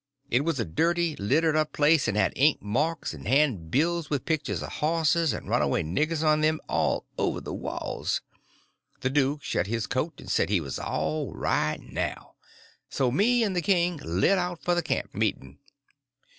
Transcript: It was a dirty, littered up place, and had ink marks, and handbills with pictures of horses and runaway niggers on them, all over the walls. The duke shed his coat and said he was all right now. So me and the king lit out for the camp meeting.